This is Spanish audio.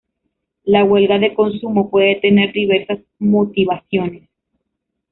La huelga de consumo puede tener diversas motivaciones.